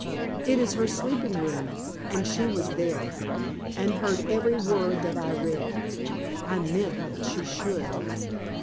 It is her sleeping room, and she was there, and heard every word that I read. I meant that she should."